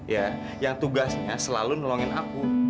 ya yang tugasnya selalu nolongin aku